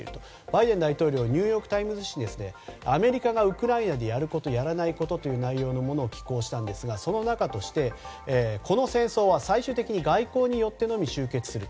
バイデン大統領ニューヨーク・タイムズ紙に「アメリカがウクライナでやることやらないこと」という内容のものを寄稿したんですが、その中としてこの戦争は最終的に外交によってのみ終結する。